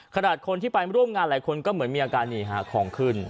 ขนาดคนที่ไปร่วมงานหลายคนก็เหมือนมีอาการนี่ฮะของขึ้น